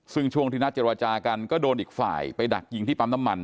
ซึ่งช่วงที่นัดเจรจากันก็โดนอีกฝ่ายไปดักยิงที่ปั๊มน้ำมัน